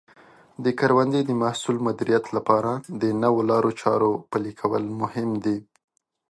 د کروندې د محصول مدیریت لپاره د نوو لارو چارو پلي کول مهم دي.